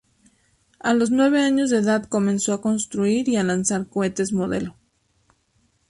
A los nueve años de edad, comenzó a construir y lanzar cohetes modelo.